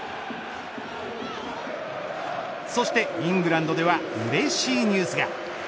そしてイングランドではうれしいニュースが。